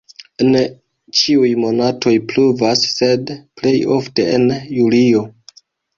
En ĉiuj monatoj pluvas, sed plej ofte en julio.